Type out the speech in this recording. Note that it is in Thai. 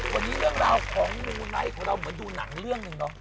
วันนี้เรื่องราวของมูไนท์ของเราเหมือนดูหนังเรื่องหนึ่งเนาะ